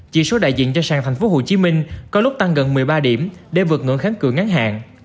chỉ số đại diện cho sàng thành phố hồ chí minh có lúc tăng gần một mươi ba điểm để vượt ngưỡng kháng cửa ngắn hạn